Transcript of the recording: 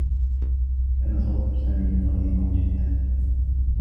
كان صوت سامي غليظا جدّا.